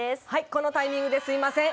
このタイミングですみません。